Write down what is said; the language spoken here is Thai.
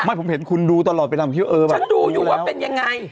ไม่ผมเห็นคุณดูตลอดเป็นอย่างแบบเออดูแล้วเป็นอย่างไร